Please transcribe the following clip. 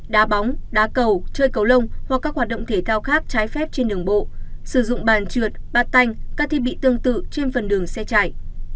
đá bóng đá cầu chơi cấu lông hoặc các hoạt động thể thao khác trái phép trên đường bộ sử dụng bàn trượt ba tanh các thiết bị tương tự trên phần đường xe chạy